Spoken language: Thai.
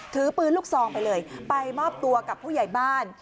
ถือปืนลูกซองไปเลยไปมอบตัวกับผู้ใหญ่บ้าน